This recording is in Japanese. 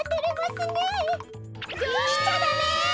きちゃダメ！